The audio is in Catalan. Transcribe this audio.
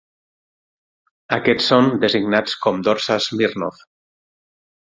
Aquests són designats com Dorsa Smirnov.